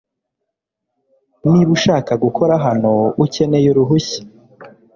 Niba ushaka gukora hano, ukeneye uruhushya.